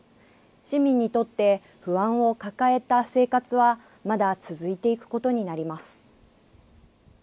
市民にとって不安を抱えた生活はまだ続いていくことになります。